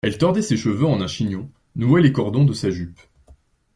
Elle tordait ses cheveux en un chignon, nouait les cordons de sa jupe.